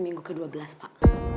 minggu ke dua belas pak